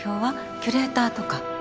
キュレーターとか？